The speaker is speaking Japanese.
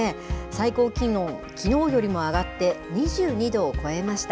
最高気温、きのうよりも上がって、２２度を超えました。